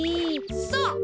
そう！